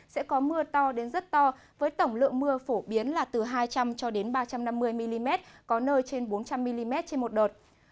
sẽ có mưa to đến rất to với tổng lượng mưa phổ biến là từ hai trăm linh cho đến ba trăm năm mươi mm có nơi trên bốn trăm linh mm trên một đợt